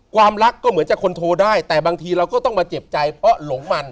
ความรักก็เหมือนจะคนโทรได้แต่บางทีเราก็ต้องมาเจ็บใจเพราะหลงมัน